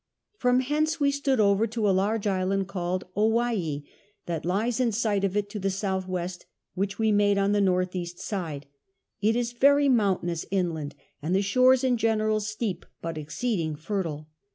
From hence we stood over to a large island called Owy hee, that lies in sight of it to tlie 8.W., which we made on the N.E. side ; it is very mountainous inland, and the shores in general steep, but exceeding fertile.